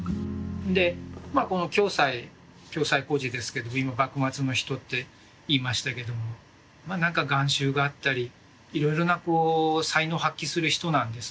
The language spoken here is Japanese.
でまあこの暁斎暁斎居士ですけど今幕末の人って言いましたけどもまあ何か含羞があったりいろいろな才能を発揮する人なんですね。